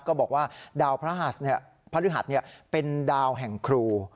ก็บอกว่าดาวพระราชพระริหัสเป็นดาวแห่งครู